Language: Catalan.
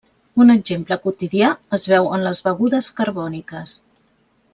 Un exemple quotidià es veu en les begudes carbòniques.